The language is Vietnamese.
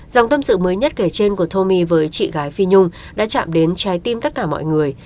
dòng tâm sự mới nhất kể trên của thomi với chị gái phi nhung đã chạm đến trái tim tất cả mọi người